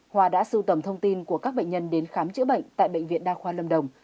hòa đã sưu tầm thông tin của các bệnh nhân đến khám chữa bệnh tại bệnh viện đa khoa lâm đồng